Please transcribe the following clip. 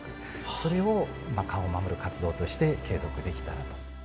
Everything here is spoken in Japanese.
それを川を守る活動として継続できたらと。